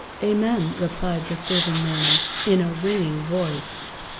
"Amen," replied the serving man in a ringing voice.